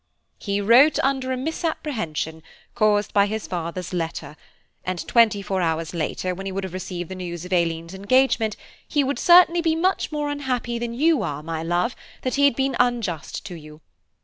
"He wrote under a misapprehension, caused by his father's letter; and twenty four hours later when he would have received the news of Aileen's engagement, he would certainly be much more unhappy than you are, my love, that he had been unjust to you.